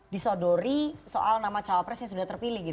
disodori soal nama cowok presiden sudah terpilih gitu